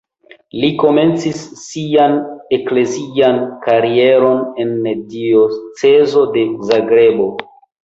Li komencis sian eklezian karieron en diocezo de Zagrebo.